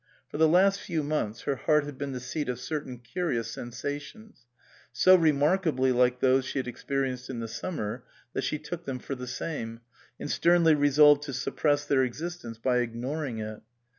For the last few months her heart had been the seat of certain curious sensations, so remarkably like those she had experienced in the summer that she took them for the same, and sternly resolved to suppress their existence by ignoring it.